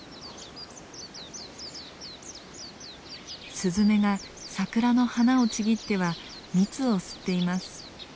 スズメが桜の花をちぎっては蜜を吸っています。